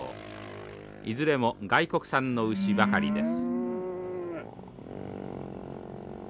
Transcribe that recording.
いずれも外国産の牛ばかりです。